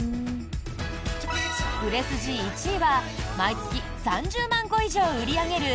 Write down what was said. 売れ筋１位は毎月３０万個以上売り上げる